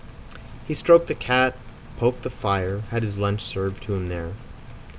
He stroked the cat, poked the fire, had his lunch served to him there.